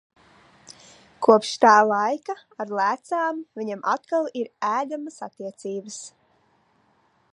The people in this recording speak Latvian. Kopš tā laika ar lēcām viņam atkal ir ēdamas attiecības.